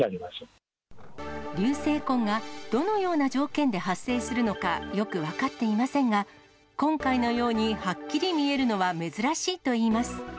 流星痕がどのような条件で発生するのか、よく分かっていませんが、今回のように、はっきり見えるのは珍しいといいます。